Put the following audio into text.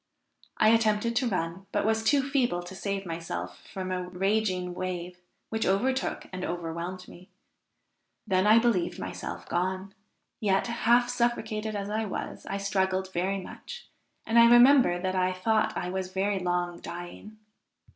I attempted to run, but was too feeble to save myself from a raging wave, which overtook and overwhelmed me. Then I believed myself gone; yet, half suffocated as I was, I struggled very much, and I remember that I thought I was very long dying.